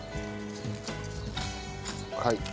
はい。